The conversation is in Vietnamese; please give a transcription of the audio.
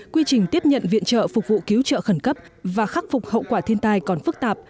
quy trình tiếp nhận viện trợ phục vụ cứu trợ khẩn cấp và khắc phục hậu quả thiên tai còn phức tạp